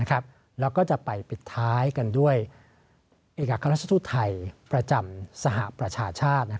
แล้วก็จะไปปิดท้ายกันด้วยเอกราชทูตไทยประจำสหประชาชาติ